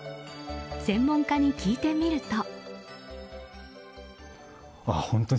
専門家に聞いてみると。